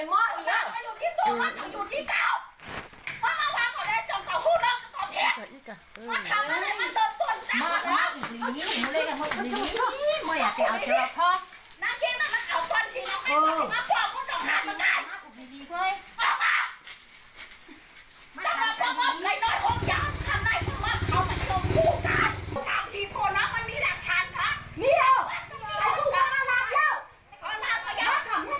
โอ้โหมันอยากไปหม้าอีกแล้ว